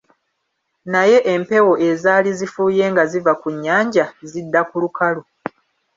Naye empewo ezaali zifuuye nga ziva ku nnyanja zidda ku lukalu.